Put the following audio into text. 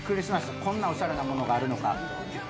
こんなおしゃれなものがあるのかと思って。